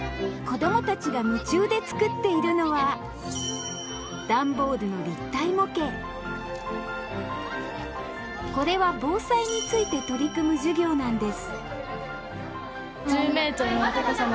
子供たちが夢中で作っているのはこれは防災について取り組む授業なんです